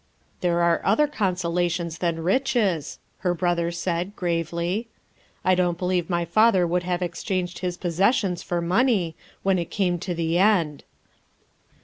" There are other consolations than riches," her brother said, gravely. "I don't believe my father would have exchanged his possessions for money, when it came to the end."